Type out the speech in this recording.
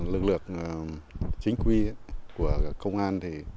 lực lượng chính quy của công an